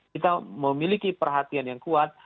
kita memiliki perhatian yang kuat